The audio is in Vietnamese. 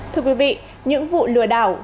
thưa quý vị những vụ lừa đảo